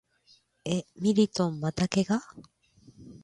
え、ミリトンまた怪我？